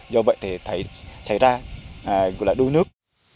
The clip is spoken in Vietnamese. do vậy thì thấy xảy ra là đu nước